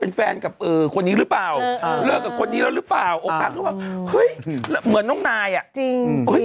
คนเราคือสาฬิกดที่รักคนเราคือผู้รัก